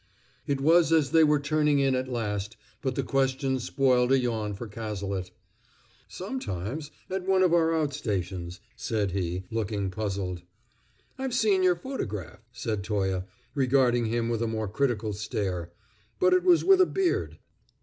It was as they were turning in at last, but the question spoiled a yawn for Cazalet. "Sometimes, at one of our out stations," said he, looking puzzled. "I've seen your photograph," said Toye, regarding him with a more critical stare. "But it was with a beard."